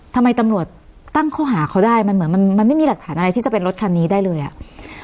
ทำไมตำรวจตั้งข้อหาเขาได้มันเหมือนมันมันไม่มีหลักฐานอะไรที่จะเป็นรถคันนี้ได้เลยอ่ะ